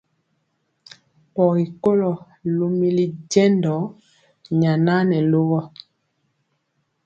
Pɔgi kɔlo lumili jendɔ nyana nɛ lugɔ.